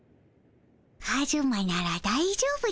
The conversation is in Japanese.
カズマならだいじょうぶでおじゃる。